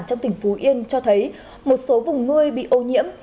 trong tỉnh phú yên cho thấy một số vùng nuôi bị ô nhiễm